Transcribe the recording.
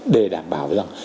để đảm bảo rằng